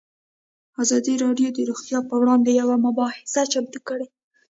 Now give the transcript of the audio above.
ازادي راډیو د روغتیا پر وړاندې یوه مباحثه چمتو کړې.